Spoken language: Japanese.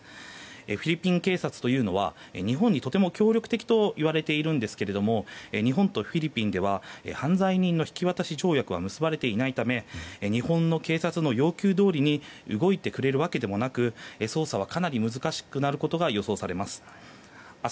フィリピン警察というのは日本にとても協力的といわれているんですが日本とフィリピンでは犯罪人の引き渡し条約は結ばれていないため日本の警察の要求どおりに動いてくれるわけではなく捜査はかなり難しくなることが予想されます。